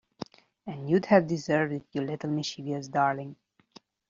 And you’d have deserved it, you little mischievous darling!